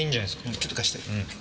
うんちょっと貸して。